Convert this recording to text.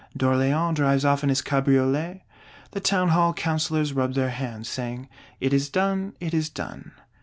D'Orléans drives off in his cabriolet: the Town hall Councillors rub their hands, saying, "It is done, It is done."